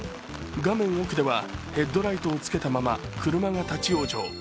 画面奥ではヘッドライトをつけたまま車が立往生。